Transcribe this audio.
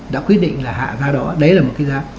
đã quyết định là hạ ra đó đấy là một cái giá